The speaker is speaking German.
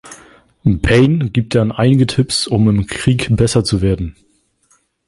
Paine gibt dann einige Tipps, um im Krieg besser zu werden.